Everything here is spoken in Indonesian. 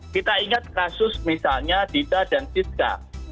kita ingat kasus misalnya dita dan sizka